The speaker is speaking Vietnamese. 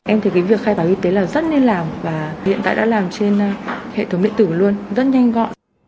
em thấy cái việc khai báo y tế là rất nên làm và hiện tại đã làm trên hệ thống điện tử luôn rất nhanh gọn